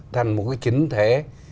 thành một cái chính thể